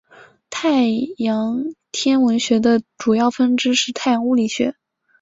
太阳天文学的主要分支是太阳物理学。